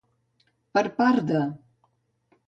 Per part de.